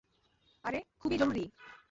আরে, খুবই জরুরি।